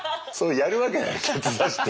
やるわけないケツ出して。